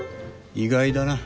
意外だな。